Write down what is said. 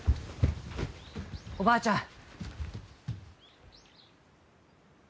おばあちゃん！